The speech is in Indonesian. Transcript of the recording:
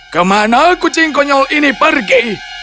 kemana kucing konyol ini pergi